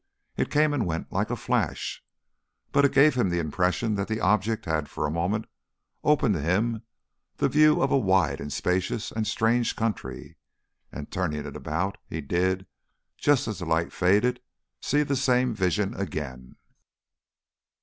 It came and went like a flash, but it gave him the impression that the object had for a moment opened to him the view of a wide and spacious and strange country; and, turning it about, he did, just as the light faded, see the same vision again.